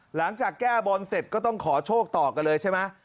หลังจากแก้บนเสร็จก็ต้องขอโชคต่อกันเลยใช่ไหม